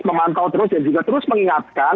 memantau terus dan juga terus mengingatkan